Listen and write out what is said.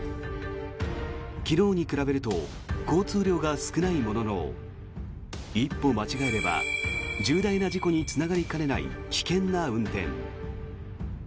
昨日に比べると交通量が少ないものの一歩間違えれば重大な事故につながりかねない危険な運転。